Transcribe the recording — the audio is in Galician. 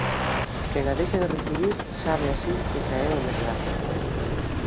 Quen a deixa de recibir sabe así que caeu en desgraza.